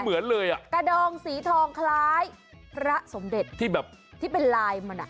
เอ๋ยอารมณ์ประมาณนั้น